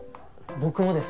僕もです。